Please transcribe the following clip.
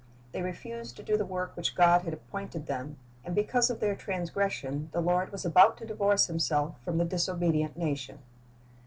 They refused to do the work which God had appointed them, and because of their transgression the Lord was about to divorce Himself from the disobedient nation.